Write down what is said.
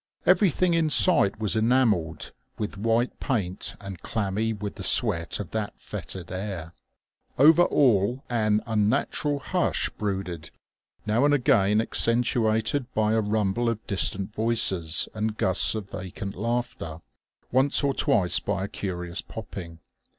Everything in sight was enamelled with white paint and clammy with the sweat of that foetid air. Over all an unnatural hush brooded, now and again accentuated by a rumble of distant voices and gusts of vacant laughter, once or twice by a curious popping.